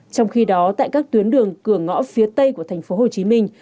trong khi đó tại các tuyến đường cửa ngõ phía tây của thành phố hồ chí minh